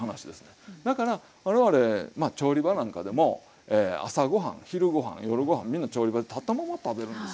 だから我々調理場なんかでも朝ご飯昼ご飯夜ご飯みんな調理場で立ったまま食べるんです。